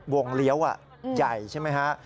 วงเลี้ยวใหญ่ใช่ไหม